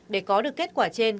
để có được kết quả trên